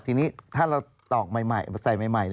ทีนี้ถ้าเราตอกใหม่มาใส่ใหม่